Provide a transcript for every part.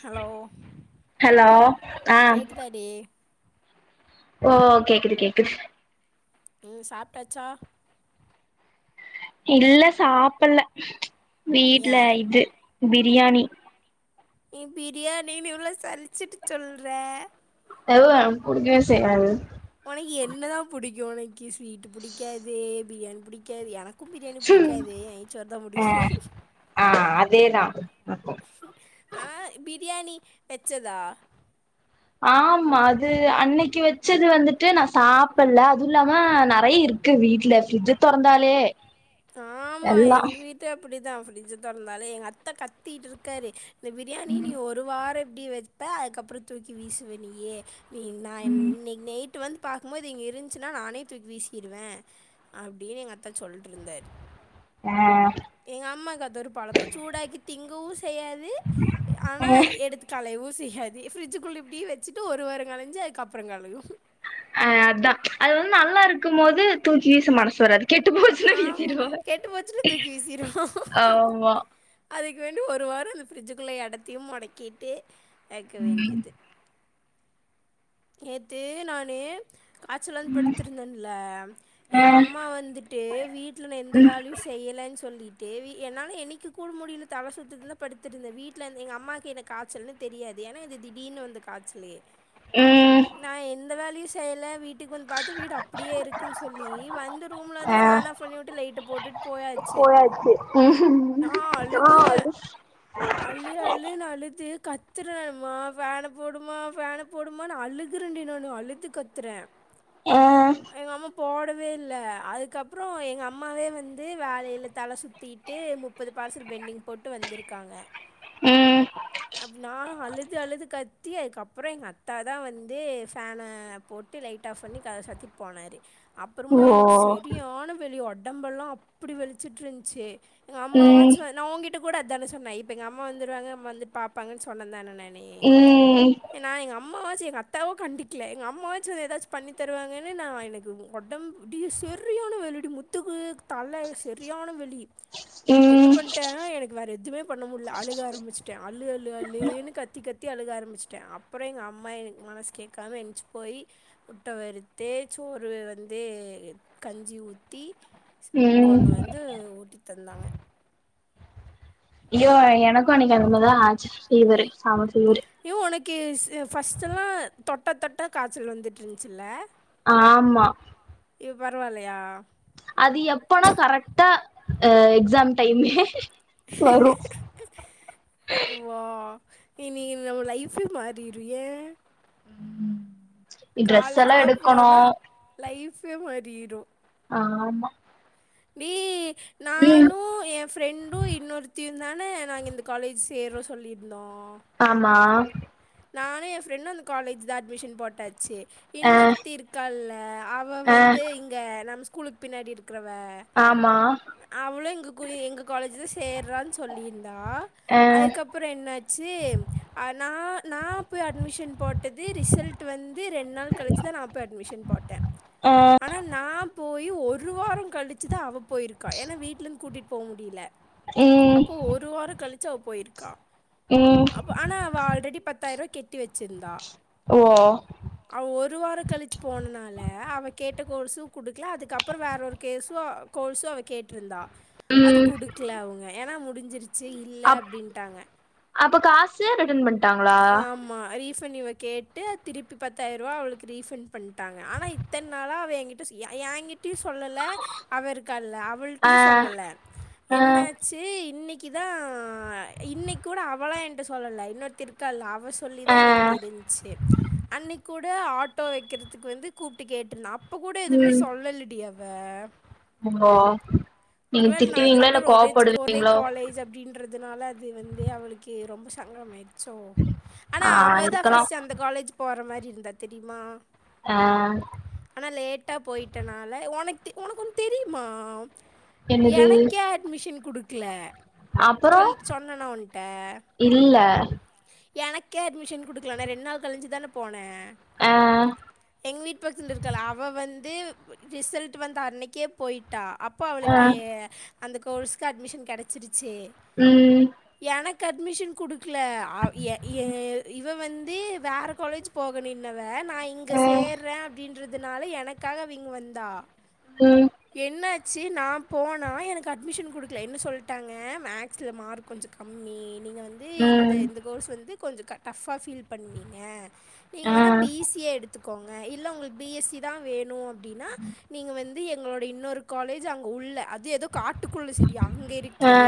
Hello hello ஆ கேக்குதாடி ஓ கேக்குது கேக்கு ம் சாப்ட்டாச்சா இல்ல சாப்புல்ல வீட்ல ஏ இது பீ ரியாணி நீ பிரியாணினு இவ்ளோ சலிச்சுட்டு சொல்ற அதுவு எனக் புடிக்கவே செய்யாது ஒனக்கு என்னதா புடிக்கு ஒனக்கி ஸ்வீட்டு புடிக்காது பிரியாணி புடிக்காது எனக் கும் பிரியாணி புடிக்காது நய்சோறு தா புடிக்கு ஆ அதேதா ஆ பிரியாணி வெச்சதா ஆமா அது அன்னைக்கு வெச்சது வந்துட்டு நா சாப்பல்ல அதுவு இல்லாம நறைய இருக்கு வீட்ல ஃப்ரிட்ஜ தொறந்தாலே எல்லா தா பிரிட்ஜ் தொறந்தாளே எங்க அத்த கத்திட் இருக்காரு த பிரியாணி நீ ஒரு வார இப் ப்டி வெப்ப அதுக்கப்புறோ தூக்கி வீசுவே நீயே வே நா இன்னைக் நயிட் ட்டு வந்து பாக்கும்போது இங்க இருந்துச்சுன்னா நானே தூக்கி வீசிடுவே அப்டின்னு எங்க அத்த சொல்ட்ருந்தாரு ஆ எங்க அம்மாக்கு அது ஒரு பழக்கோ சூடாக்கி திங்கவும் ஸ் செய்யாது ஆனா ஆ எடுத்துக்காலை ஊசி அதே ஃப்ரிட்ஜுள்ள இப்புடியே வெச்சுட்டு ஒரு வார கழிச்சி அதுக்கப்புறோ கலங்கு அ அத்தா அது வந்து நல்லா இருக்கும் மோது தூக்கி வீச மனசு வராது கெட்டு போச்சுனா ஆமா. விசிறுவாங்க கெட்டு போச்சுன்னா தூக்கி வீசிருவோம். ஆமா அதுக்கு வேண்டி ஒரு வாரம் அந்த ஃப்ரிட்ஜுக்குள்ளே எடத்தையும் முடக்கிட்டு வெக்க ம் வேண்டியது நேத்து நானு காய்ச்சல் வந்து படுத்துருந்தன்ல ஆ எங்க அம்மா வந்துட்டு வீட்ல் நா எந்த வேலயு செய்யலன்னு சொல்லி டேவி என்னால என்னைக்கி கூப்ட முடில தல சுத்துதுன் தா படுத்துருந்தே வீட்லந் எங்க அம்மாக்கு எனக்கு காச்சல்ன்னு தெரியாது ஏன்னா இது திடீனு வந்த காச்சலே ம் நா என் ந்த வேலையும் செய்யல வீட் ட்டுக்கு ந் பாத்து வீடு அப்புடியே இருக்குன்னு சொல்லி வந்து ரூம்ல வந்து ஆ ஃபேன் ஆஃப் பண்ணி வுட்டு லைட்ட போட்டுட் போயாச்சு ந ஆ அழுகுற வந்து அழு அழுன்னு அழுது கத்துற மா ஃபேன போடுமா ஃபேன போடு ம்மா நா அழுகறண்டி நானு அழுத்து கத்துறே ஆ எங்க அம்மா போடவே இல்ல அதுக்கப்புறோ எங்க அம்மாவே வந்து வேலையில தல சுத்திட்டு முப்பது பார்சல் பென்டிங் போட்டு வந்துருக்காங்க ம் அப் நானு அழுது அழுது கத் தி அதுகப்புறோ எங்க அத் தா தா வந்து ஃபேன போட்டு லைட் ஆஃப் பண்ணி கதவ சத்திட்டு போனாரு அப்புறமு ஓ எனக்கு செரியான வெறி ஒட் உடம்பெல்லா அப்புடி வெளிச்சிட்ருந்துச்சு எங்க ம் அம்மாவாச் வ நா ஊங்கிட் ட்ட கூட அத்தான சொன்ன இப்ப எங்கம்மா வந்துருவங்க வந்து பாப்பாகன் சொன்ன தான நே நே ம் ஏன்னா எங்க அம் அம்மாவாச்சும் எங்க அத்தாவோ கண்டிக்கிலே எங்க அம்மாவாச்சு எதாச்சும் பண்ணி தருவாங்கன்னு நா எனக்கு ஒடம்புடிய சரியான வெயிலுடி முத்துக்கு தல செரியான வெலி என்ன ம் பண்ட்டே எனக்கு வேற எதுவுமே பண்ண முட்ல அழுக ஆரம்பிச்சட்டே அழு அழு அழுன்னு கத்தி கத் த்தி அழுகாரம்பிச்சிட்டே அப்புறோ எங்கம் மா எனக்கு மனசு கேக்காம என்ச்சி போய் முட்ட வறுத்து சோறு வந்து கஞ்சி ஊத்தி ஸ் ம் கொண்ணு வந்து ஊட்டி தந்தாங்க ஐயோ எனக்கு அன்னிக்கி அந்த மாரி தா ஆச்சி ஃபீவரு செம ஃபீவரு கேஸ் ஃபஸ்ட்டெல்லா தொட்ட தொட்ட காச்சல் வந்துட்டு இருந்துச்சில்ல ஆமா இப் பரவால்லையா அது எப்பனா கரெக்டா எக்ஸாம் டைமே வரு வா இன்னிக்கி நம்ம லைஃபே மாறிரு ஏ ட்ரெஸ் எல்லா காலேஜ்லாம் எடுக்கணு போனா லைஃப் இப்யே மாறிரோ ஆமா நீ ம் நானோ எ ஃபிரெண்டோ இன்னொருத்தியு நானே நாங்க இந்த காலேஜ் சேர்றோ சொல்லியிருந்தோ ஆமா நானு ஏ ஃப்ரெண்டோ அந்த காலேஜ் தா அட்மிஷன் போட்டாச்சி அ இன்னொருத்தி இருக்கால்ல அவ அ வந்து இங்க நம் ஸ்கூலுக் பின்னாடி இருக் இருக்குறவ ஆமா அவ்ளு எங்கக் கூட எங்கக் காலேஜ் தா சேர்றான் சொல்லியிருந்தா அ அதுக்கப்பறோ என்னாச்சி ஆ நா நா போய் அட்மிஷன் போட்டது ரிசல்ட் வந் து ரெண் நாள் கழிச்சிதா நா போய் அட்மிஷன் போட்டே ஆனா நா போயி ஒரு ஒருவாரோ கழிச்சி தா அவப் போயிருக்கா ஏன்னா வீட்லந் கூட்டிட் போ முடில ம் அப்போ ஒரு வாரோ கழிச் ச்சி அவ போயிருக்கா ம் அப்ப ஆனா அவ ஆல்ரெடி பத்து பத்தாயிரூவா கெட் கட்டி வெச்சிருந்தா ஓ அவ ஒரு வாரோ கழிச்சி போன நால அவ கெட் கேட்ட கோர்ஸு குடுக்கல அதுக்கப்புறோ வேற ஒரு கேசு கோர்ஸு அவ கேட்டிருந்தா அது ம் குடுக்கல அவுங்க ஏன்னா மு முடிஞ்சிருச் அப் அப்போ காசு ரிட்டன் பண்ணிட்டாங்கோ ஆமா ரீப் பண்ட் இவ கேட்டு திருப்பி பத்தாயிர ரூபா அவளுக்கு ரீபண்ட் பண்டாங்க ஆனா இத்தன் நாளா அவ என்கிட்ட சொ எயா எயாகிட் ட்டயு சொல்லல்ல அவ இருக்கால்ல ஆ அவள்டையு சொல்லல்ல ஆ என்னாச்சி இன்னிக் க்கி தா இன்னிக் கூட அவளா என்ட சொல்லல்ல இன்னொருத்தி இருக் கால்ல அ அவ சொல்லி தா ஆ எனக் தெரிஞ்சி அன்னிக் கூட ட ஆட்டோ வெக்கிறதுக்கு வந்து கூப்டு கேட்டுருந்தே அப் அப்ப கூட எதுவுமே ம் சொல்லலடி அவ வே ஓ நீங்க நாங்க திட்டுவீங்களா இல்ல கோவப்படுவீங்களோ அதனால அது வந்து அவளுக்கு ரொம்ப சங்கடமா ஆயி சோ ஆனா ஆ அவதா இருக்கலா ஃபர்ஸ்ட் அந்த காலேஜ் போற மாரி இருந்தா தெரியுமா ஆ ட்ட போயிட்டனால உனக் தெ உனக்கு ஒன்னு தெரியுமா என்னது எனக்கே அட்மிஷன் குடுக்கல அப்பறோ சொல் சொன்னனா உன்ட்ட? இல்ல எனக்கே அட்மிஷன் குடுக்கல நா ரெண் நாள் கழிஞ்சிதானே போனே ஆ எங் வீட் டு பக்கத்துல இருக்காலே அவ வந்து ரிசல்ட்டு வந்த அன்னைக்கே போயிட் டா அப்போ ஆ அவளுக்கே அந்த கோர்ஸுக்கு அட்மிஷன் கெடச்சிடிச் சி ம் எனக் கு அட்மிஷன் குடுக் க்ல அவ் எ ஏ இவ வந்து வேற காலேஜ் போகணு இன்னவ வ நா இங்க ஆ சேர்ற அப்டின் றதுனால எனக்காக அவ இங் வந்தா ம் என்னாச் சீ நா போனா எனக்கு அட்மிஷன் குடுக்ல என்ன சொல்ட்டாங்க மேக்ஸ்ல மார்க் கொஞ்ச கம்மி நீங்க வ து இந்த ம் இந்த கோர்ஸ் வந்து கொஞ்ச கட் டஃப்பா ஃபீல் பண்ணீங்க நீங்க ஆ வேணா பீசிஏ எடுத்து கோங்க இல்ல ஒங்ளுக் பிஎஸ்சி தா வேணு அம் டீனா நீங்க வந் தி எங்ளோட இன்னொரு காலேஜ் அங்க உள்ள அத் தி எதோ காட்டுக்குள்ள செரி அங்க ஆ இருக்கே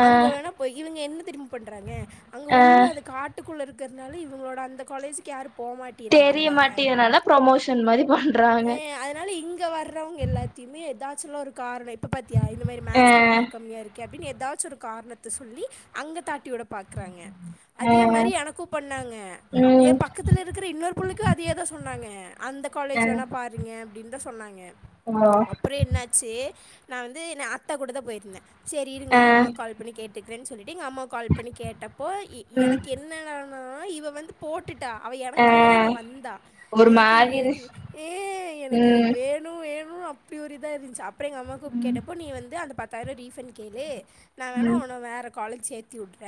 ஆ அங்க வேணா போ இவிங்க என்ன பண்றாங்கெ அங்க ஆ உள்ள அது காட்டுக் குள்ள இருக்கற்னால இவுங்ளோட அந்த காலேஜிக் யாருப் தெரிய போமாட்டிறாங்கல்ல மாட்டேதுனால ப்ரொமோஷன் மாரி பண்றாங்க எ அதனால இங்க வர்றவ்ங்க எல்லாத்யுமே எதாத் சுலோ ஒரு காரனேப் ப்ப பாத்யா இந்த மேரி ஆ மேக்ஸ்ல மார்க் கம்மியாருக்கேப் பின் எதாச்சு ஒரு கார்ணத்த சொல்லி அங்க தாட் டியோட பாக்றாங்கெ ஆ அதே மரி எனக்கு பண்ணாங்க ஏ ம் பக்கத்துல இருக்குற இன்னொரு புள்ளைக்கு அதியே தா சொன்னாங்க அந்த காலேஜ் ஆ வேணா பாருங்கெ அப்டின் தா சொன்னாங்கெ ஓ அப்புற என்னாச்சி நா வந்து என்ன ஆத்தா கூட தா போயிர்ந்த செரி இருங்கெ ஆ அம்மாக் கால் பண்ணி கேட் டிக்ரன் சொல்லிட்டு எங் அம்மாவ் கால் பண்ணி கேட்டப்போ இ ம் எனக்கு என்னனான் நா இவ வந்து போட் டுட்டா அவ ஆ எனக்காக தா இங்க வந்தா ஒரு எனக்கி மாரி இரு எனக்கு ஏ எனக்கு ம் இவ்வேணு வேண் ஊ அப்டி ஒரு இதா இருன்ச்சி அப் ப்ரே எங்க அம்மாக்குப் ம் கேட்டப்போ நீ வந்து அந்த பத் தைரோ டீஃபன் கேளு நா வேணு ம் ஒன்ன வேறக் காலேஜ் சேத் தியூட்ல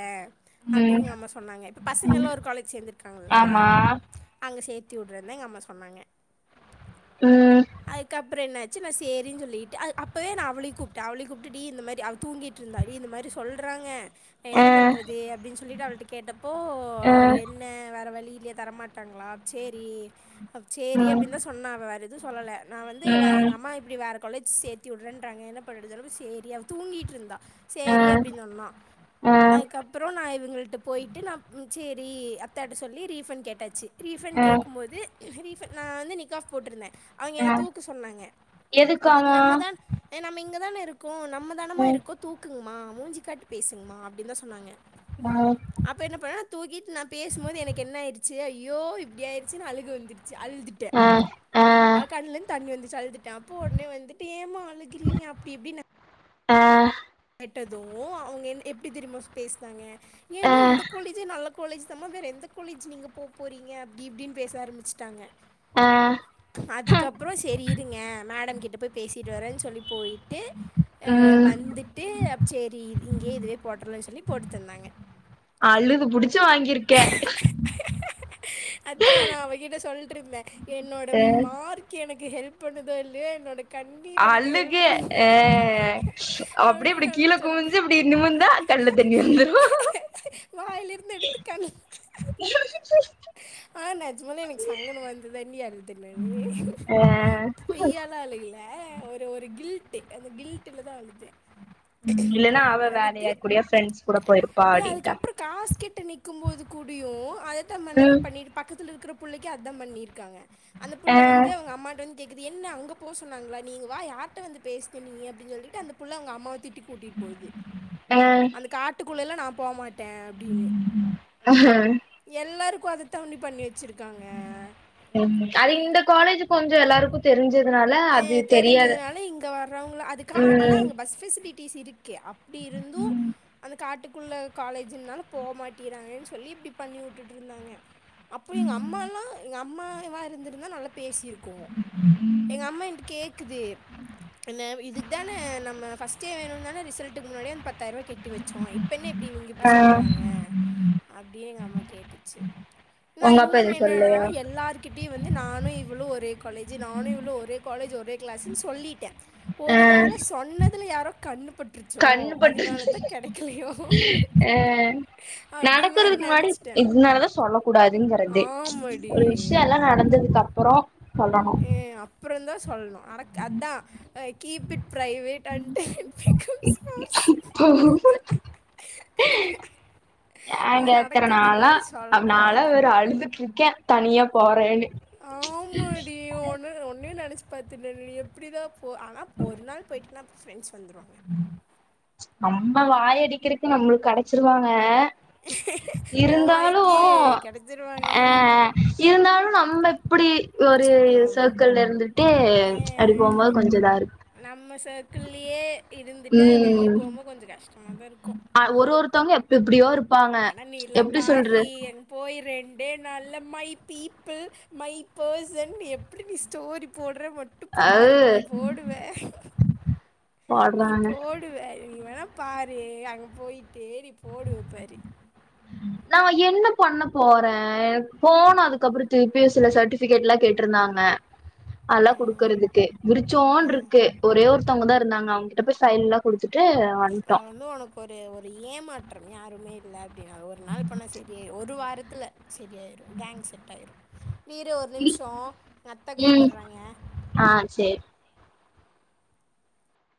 அப்டின் ம் எங்க அம்மா சொன்னாங்கெ இப்ப பசங்கெல்லு ஒரு காலேஜ் சேந்துர்க்காங்கல்ல ஆமா ம் ஹும் அங்க சேத் தி உட்றன் தா எங்க அம்மா சொன்னாங்க ம் அய்க்கப்ர என்னத் சின்ன சேரின் சொல்லிட்டு அத் அப்பவே நா அவளி கூப்ட்ட அவளி கூப்ட்டு டி இந்த மேரி அவ தூங்கீட்ருந்தா ரி இந்த மாரி சொல்றாங்க அ என்ன பண்றது அப்டின் சொல்லிட்டு அவள்ட்ட கேட்டப்போ அ என்ன வேர வலி லியே தரமாட்டாங்ளா சேரி அ சேரி ம் அப்டின்தா சொன்னா அவ வேற எ து சொல்லல நா வந்து வே எங்க ம் அம்மா இப்டி வேற கொலேஜ் சேத்தி உட்றன்றாங்க என்ன பண்ணுடது தரவு சேரி அவ் தூங்கீட்ருந்தா அ சேரி அப்டின் சொல்லா அ அதுக்கப்பறோ நா இவுங்கள்ட்ட போயிட்டு நா ம் செரி அத்தட்ட சொல்லி ரீஃபண்ட் கேட்டாச்சு ரீஃபண்ட் அ கேக்கும் போது எனக்கு ரீஃபன் நா வந்து நிக் ஆஃப் போட்டுருந்தே அவிங்க என அ தூக்கு சொன்னாங்க அப்பிக்கி எதுக்காமா நம்ம தான் ஏ நம்ம இங்கதானே போ நம்ம தானமா ம் இருக்கோ தூக்குங்மா மூஞ்சி காட்டி பேசுங்மா டின்தா சொன்னாங்க அ அப்ப என்னப்பன நா தூக்கிட் நா பேசுமோது எனக்கு என்ன ஆயிடுச்சு ஏ ய்யோ இப்டி ஆயிர்ச்சின் அழுகு வந்துடு சி அழுதுட்டே அ அ ஆ கண்லந் தண்ணி வந்து சல்துட்டே அப்போ ஒட்னே வந்துட்டு ஏமா அழுகுறீங்க அப்டி இப்டின்னு ஆ ட்டதோ அவுங்க என் எப்டி தெரியுமா சு பேஸ்னாங்க அ ஏமா இந்த அ கொலஜே நல்ல கொலேஜ் சமா வேற எந்த கொலேஜ் நீங்க போப்போறீங்க அப்டி இப்டின்னு பேச ஆரம்பிச்சுட்டாங்க அதுக்கப்பறோ சேரி இருங்க மேடம் கிட்டபோய் பேசிட்டுவரேன் சொல்லி போயிட்டு அ ம் வந்துட் தே அப் சேரி இதுக்கே இதுவே போட்டுருரேன் சொல்லி போட்டு தந்தாங்க அழுது புடிச்சு வாங்கிருக்கே திடுக்ந்தாங்க என்னோட மார்க் எனக் எ ஹெல்ப் பண்ணுதோ இல்லியோ என்னோட கண்ணீர் எனக்கு ஹெல்ப் அழுகு ஆ அப் படியு அழுதுட் சொல்லி கண்ல தண்ணி வந்துரு வாயிலிந்து எடுத்து கண் ஆ நெஜ்மாலே எனக்கு சங்கடமா இந்ததா இல்லியானு எனக்கு தெர்ல நி அ பொய்யாலா அழுகுல அ ஒரு ஒரு கில்ட்டூ அந்த கில்டூல தா அழுதே இல்லன்னா அவ வேற அழுது யார் கூடயா ஃப்ரெண்ட்ஸ் கூட போயிருப்பா டீ அப்டின்ட்டா அதுக்கப்ற காஸ் கெட்ட நிக்கும் போது கூடியு அது தாமண்ணன் ம் பண்ணிடு பக்கத்து இருக்குற புள்ளைக்கு அதாம் பண்ணிருக்காங்க அந்த அ புள்ளவந்து அவுங்க அம்மாட்ட வந் கேக்குது என்ன அங்க போ சொன்னாங்களா, நீ இங்க வா யார்ட்ட வந்து பேஸ்ன நீயு அப்டின் சொல்லிட்டு அந்தப் புள்ள அவுங்க அம்மாவ திட் ட்டிகூட்டிட்டு போது அ அந்த காட்டுப் குள்ள எல்லா நா போமாட் ட்ட அப்டின்னு எல்லாருக் கு அத தாண்டி பண்ணி வெ ம் அது இந்த காலேஜூ கொஞ்சொ எல்லாருக்கு தெரிஞ்சது இ தெரிஞ்சதுனால இங்க வரவுங்களா, அதுக்கா அஆனா ம் அங்க பஸ் ஃபெசிலி டீசிருக் கே அப்டி இருந்து அந்த காட்டுக் குல்ல காலேஜுன்னால போமாட்டிறாங்கன் சொல்லி இப்டி பண்ணி உட்டுட்ருந்தாங்க அப்போ எங்க அம்மாலா எங்க அம் அம்மா வா இருந்திருந்தா நல்லாத் பேசிருக்கோ எங்க அம்மா என்ட கேக்குது, என்ன இதுக் தான நம்ம ஃபஸ்ட்டே வேணுன் ந்தான ரிசல்ட்டுக் முன்னாடியே அந்த பத்தாயரவா கெட் ட்டிவெச்சோ இப்பென்ன இப்படி இவுங்க இப்டி ஆ சொல்றாங்க அப்டி எங்கம்மா கேட்டுச்சு, நா உங்க அப்பா எதுவு இன்னொன்னென்ன னா சொல்லலையா எல்லார்கிட்டயு வந்து நானு இவளு ஒரே காலேஜு நானு இவ் ஒரே காலேஜ் ஒரே கிளாஸுன் சொல்லீட்ட ஆ ஒரு வேள சொன்ன துல யாரோ கண்ணு பட்டுருச்சோ, கண்ணு பட்ரு அதனால தான் கெடைக்கலையோ அ அப்டின்னு வேற நடக்கறதுக்கு முன்னாடி நெனச்சிட்டே. இத்னாலதா சொல்ல கூடாதுங்கறது ஆமாடி. ஒரு விஷ்யோலா நடந்ததுக்கப் ப்புறோ ம் அப்றந்தா சொல்னு நடக் அதா அ keep it private until it becomes yours ஏ அதா கேக்குற நடக்கறதுக்கு நாலா முன்னாடி சொல்லக் நாலா கூடாது வேற அழுதுட்டு இருக்கே தனியா போறேன்னு ஆமாடி ஒன்ன ஒன்னயு நெனச்சு பாத்துட நீ எப்டிதா ஓ ஆனா ஒரு நாள் போய்ட்டனா ஃப்ரெண்ட்ஸ் வந்துருவாங்க ஆ வாய் அடிக்கிறதுக்கு நம்ளுக்கு கெடச்சிர்வாங்க ஓ வாய்க்கு கெடச்சிருவாங்க நம்ப இப்பிடி ஒரு ஆமா சர்க்கிள்ல இருந்துட்டு ஆ ச்ச அப்டி போம்போது கொஞ்சோ இதா இரு குள்ளியே இருந்துட்டா வெளியே போம்போது கொஞ்சோ கஷ் ஆ ஒரு ஒருத்தௌங்க எப் எப்டியோ இரு ஆனா நீல்லா பார்றி என் போயிரே டே நல்லா மை பீப்பிள் மை பர்சன் எப்டி நீ ஸ்டோரி போ ட்ற மட்டு அது பாரு நீ போடுவே நீ போடுறாங்க போடுவே நீ வேணா பாரு அங்க போயிட்டு நீ போடுவா பாரு நா என்ன பண்ண போறே எனக்கு போன அதுக்கப்பற திருப்பியு சில சர்டிஃபிகேட்லா கேட்டிருந்தாங்க அல்லா குடுக்குறதுக்கு விரிச்சோன்ட்டுருக்கு ஒரே ஒருத்தௌங்கதா இ த நாங்க அவுங்கிட்ட போயி சைலனா குடுத்து ச்ச அதுவு அவனுக்கொரு ஒரு ஏமா ட்றவு யாருமே இல்ல டியா ஒரு நாள் போனா செரி ஆயி ஒரு வாரத் தில்ல செரியாயிரு கேங் செட்டாயிரு வீரு ஒர் நிம்ஷோ எ அத்த ம் கூப்புறாயிங்க ஆ சேரி